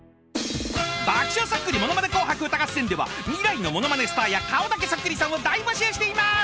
［『爆笑そっくりものまね紅白歌合戦』では未来のものまねスターや顔だけそっくりさんを大募集しています。